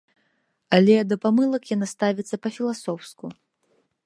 Але да памылак яна ставіцца па-філасофску.